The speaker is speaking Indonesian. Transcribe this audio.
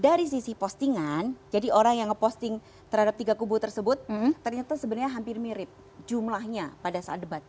dari sisi postingan jadi orang yang ngeposting terhadap tiga kubu tersebut ternyata sebenarnya hampir mirip jumlahnya pada saat debat